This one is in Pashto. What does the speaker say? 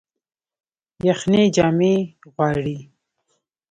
یخني جامې غواړي